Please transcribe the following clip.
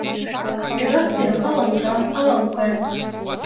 Тегак тыйым ала ужам, ала уке.